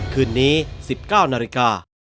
คืนนี้๑๙นาฬิกา